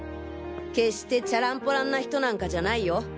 決してチャランポランな人なんかじゃないよ。